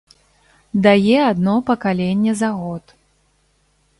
Дае адно пакаленне за год.